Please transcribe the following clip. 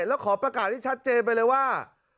แล้วขอประกาศให้ชัดเจนไปเลยว่า